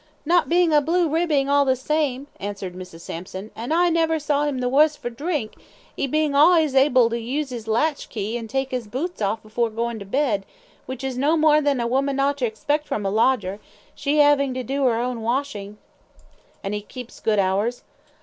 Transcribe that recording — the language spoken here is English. "Not bein' a blue ribbing all the same," answered Mrs. Sampson; "and I never saw him the wuss for drink, 'e being allays able to use his latch key, and take 'is boots off afore going to bed, which is no more than a woman ought to expect from a lodger, she 'avin' to do 'er own washin'." "And he keeps good hours?"